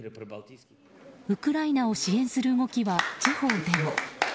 ウクライナを支援する動きは地方でも。